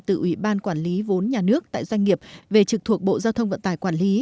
từ ủy ban quản lý vốn nhà nước tại doanh nghiệp về trực thuộc bộ giao thông vận tải quản lý